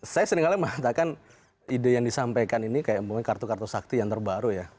saya seringkali mengatakan ide yang disampaikan ini kayak kartu kartu sakti yang terbaru ya